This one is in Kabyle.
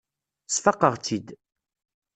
Sfaqeɣ-tt-id.